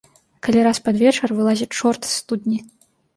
Калі раз пад вечар вылазе чорт з студні!